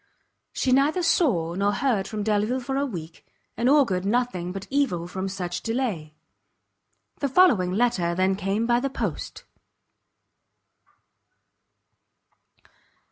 She neither saw nor heard from Delvile for a week, and augured nothing but evil from such delay. The following letter then came by the post.